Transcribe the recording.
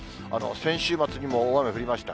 先週末にも大雨降りました。